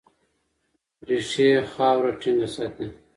ریښې یې خاوره ټینګه ساتي.